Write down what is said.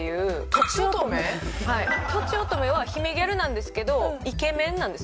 とちおとめ！？とちおとめは姫ギャルなんですけどイケメンなんです。